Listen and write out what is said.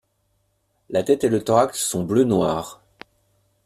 La tête et le thorax sont bleu-noir.